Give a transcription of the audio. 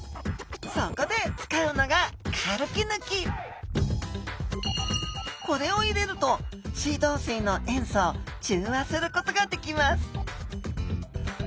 そこで使うのがこれを入れると水道水の塩素を中和することができます